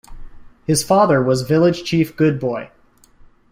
His father was village chief Good Boy.